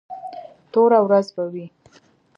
توره ورځ به وي.